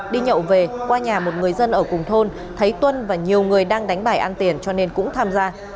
đi nhậu về qua nhà một người dân ở cùng thôn thấy tuân và nhiều người đang đánh bài ăn tiền cho nên cũng tham gia